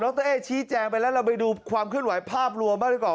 โรคเตอร์เอ๊ชี้แจงไปแล้วเราไปดูความขึ้นไหวภาพรวมมากดีกว่า